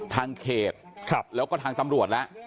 ทางเขตครับแล้วก็ทางตำรวจละ